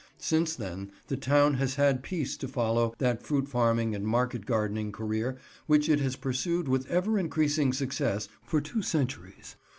Since then the town has had peace to follow that fruit farming and market gardening career which it has pursued with ever increasing success for two centuries.